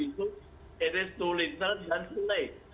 itu terlalu sedikit dan terlalu lambat